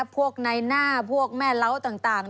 พวกในหน้าพวกแม่เล้าต่าง